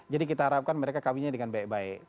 jadi kita harapkan mereka kawinnya dengan baik baik